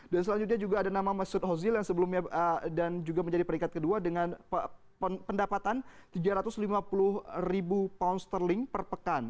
dan selanjutnya juga ada nama masud hozil yang sebelumnya dan juga menjadi peringkat kedua dengan pendapatan tiga ratus lima puluh ribu pound sterling per pekan